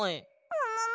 ももも？